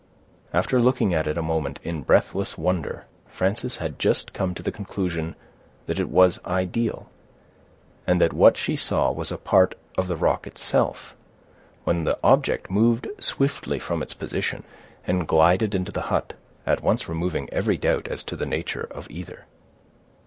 After looking at it a moment in breathless wonder, Frances had just come to the conclusion that it was ideal, and that what she saw was a part of the rock itself, when the object moved swiftly from its position, and glided into the hut, at once removing every doubt as to the nature of either.